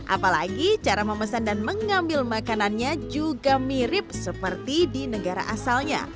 apalagi cara memesan dan mengambil makanannya juga mirip seperti di negara asalnya